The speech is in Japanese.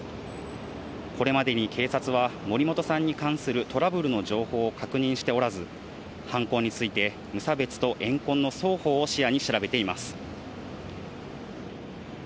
これまでに警察は、森本さんに関するトラブルの情報を確認しておらず、犯行について無差別と怨恨の双方を視野に調べています。